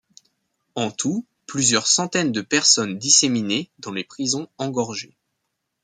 En tout, plusieurs centaines de personnes disséminées dans les prisons engorgées.